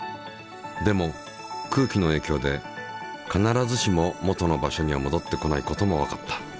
でも空気のえいきょうで必ずしも元の場所には戻ってこないこともわかった。